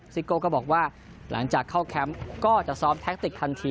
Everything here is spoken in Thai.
ซิโก้ก็บอกว่าหลังจากเข้าแคมป์ก็จะซ้อมแท็กติกทันที